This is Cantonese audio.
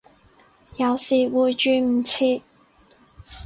有時會轉唔切